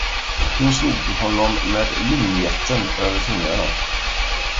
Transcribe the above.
Hon slog honom med lornjetten över fingrarna.